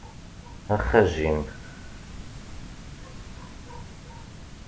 Ax a Jim.